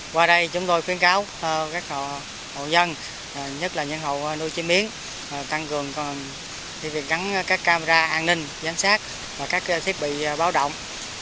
qua đây chúng tôi khuyến cáo các hộ dân nhất là nhân hộ nuôi chim yến tăng gần việc gắn các camera an ninh giám sát và các thiết bị báo động